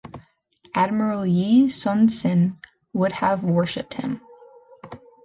Admiral Yi Sun-Sin would have worshiped him.